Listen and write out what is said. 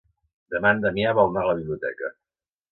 Demà en Damià vol anar a la biblioteca.